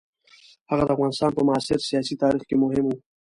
هغه د افغانستان په معاصر سیاسي تاریخ کې مهم وو.